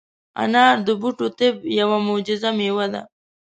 انار د بوټو طب یوه معجزه مېوه ده.